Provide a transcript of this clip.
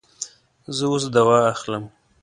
زه اوس دوا اخلم